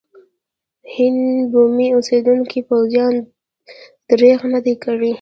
د هند بومي اوسېدونکو پوځیانو درېغ نه دی کړی.